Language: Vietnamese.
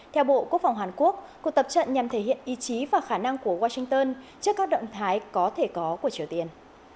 theo bộ quốc phòng hàn quốc cuộc tập trận nhằm thể hiện ý chí và khả năng của washington trước các động thái có thể có của triều tiên